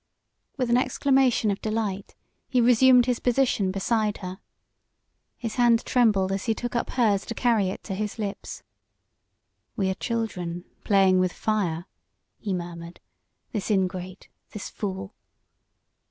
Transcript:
With an exclamation of delight, he resumed his position beside her. His hand trembled as he took up hers to carry it to his lips. "We are children playing with fire," he murmured, this ingrate, this fool!